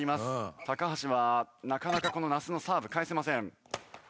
橋はなかなかこの那須のサーブ返せません。